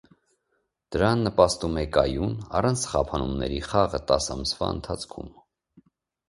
Դրան նպաստում է կայուն, առանց խափանումների խաղը տաս ամսվա ընթացքում։